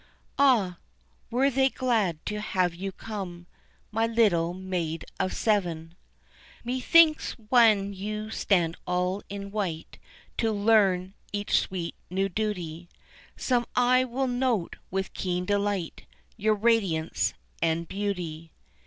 Ah! were they glad to have you come, My little maid of seven? Methinks when you stand all in white To learn each sweet new duty, Some eye will note with keen delight Your radiance and beauty.